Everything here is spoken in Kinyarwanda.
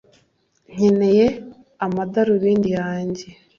nkenyera amadarubindi yanjye